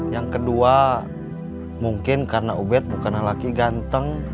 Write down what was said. yang kedua mungkin karena ubed bukan lelaki ganteng